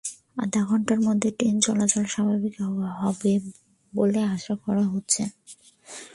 আধা ঘণ্টার মধ্যে ট্রেন চলাচল স্বাভাবিক হবে বলে আশা করা হচ্ছে।